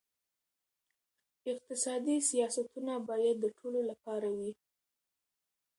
اقتصادي سیاستونه باید د ټولو لپاره وي.